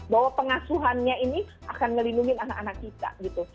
bahwa pengasuhannya ini akan melindungi anak anak kita gitu